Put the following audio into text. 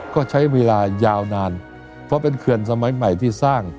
ก็ใช้เวลายาวนานเพราะเป็นเขื่อนสมัยใหม่ที่สร้าง